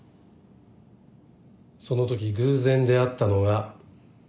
そのとき偶然出会ったのが。